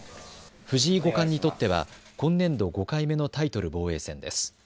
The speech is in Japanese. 藤井五冠にとっては今年度５回目のタイトル防衛戦です。